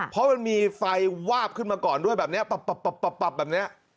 เพราะมันมีไฟวาบขึ้นมาก่อนด้วยแบบนี้